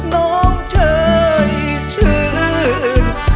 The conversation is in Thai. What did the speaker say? น้องเชยชื่น